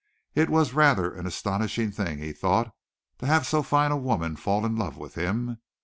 It was rather an astonishing thing, he thought, to have so fine a woman fall in love with him.